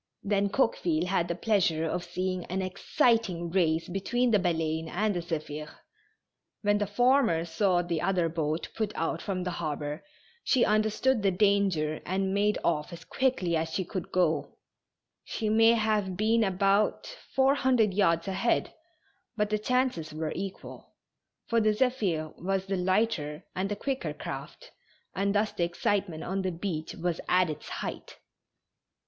Then Coqueville had the pleasure of seeing an exci ting race between the Baleine and the Zephir. When the former saw the other boat put out from the harbor, she understood the danger and made off as quickly as she could go ; she may have been about four hundred yards ahead, but the chances were equal, for the Zephir was the lighter and the quicker craft, and thus the excitement on the beach was at its height.